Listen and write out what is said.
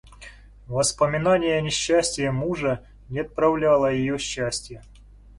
Воспоминание несчастия мужа не отравляло ее счастия.